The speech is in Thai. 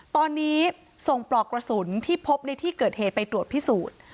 ตอนนี้ส่งปลอกกระสุนที่พบในที่เกิดเหตุไปตรวจพิสูจน์